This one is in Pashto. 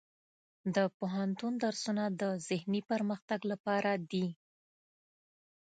د پوهنتون درسونه د ذهني پرمختګ لپاره دي.